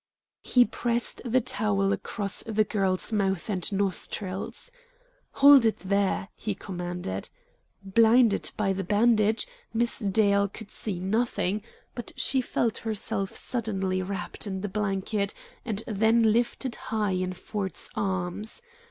He pressed the towel across the girl's mouth and nostrils. "Hold it there!" he commanded. Blinded by the bandage, Miss Dale could see nothing, but she felt herself suddenly wrapped in the blanket and then lifted high in Ford's arms.